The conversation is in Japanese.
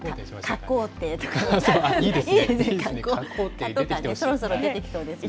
蚊とかそろそろ出てきそうですよね。